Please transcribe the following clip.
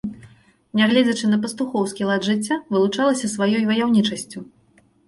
Нягледзячы на пастухоўскі лад жыцця, вылучалася сваёй ваяўнічасцю.